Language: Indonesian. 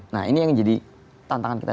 nah ini yang jadi tantangan kita